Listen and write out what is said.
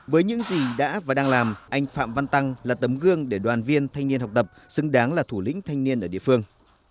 với những gì đã và đang làm anh phạm văn tăng là tấm gương để đoàn viên thanh niên học tập xứng đáng là thủ lĩnh thanh niên ở địa phương